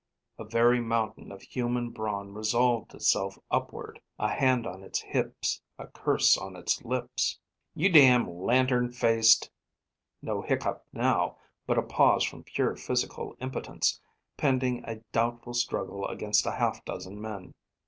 A very mountain of human brawn resolved itself upward; a hand on its hips; a curse on its lips. [Illustration: "You'll apologize."] "You damned lantern faced " No hiccough now, but a pause from pure physical impotence, pending a doubtful struggle against a half dozen men.